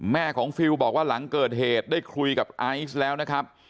แม่ของฟิลบอกว่าหลังเกิดเหตุได้คุยกับไอซ์แล้วนะครับ